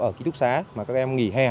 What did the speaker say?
ở ký túc xá mà các em nghỉ hè